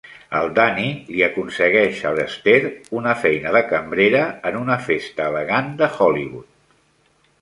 El Danny li aconsegueix a l'Esther una feina de cambrera en una festa elegant de Hollywood.